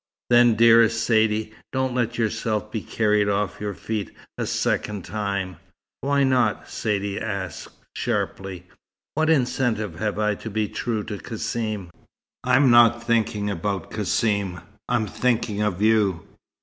"Then, dearest Saidee, don't let yourself be carried off your feet a second time." "Why not?" Saidee asked, sharply. "What incentive have I to be true to Cassim?" "I'm not thinking about Cassim. I'm thinking of you.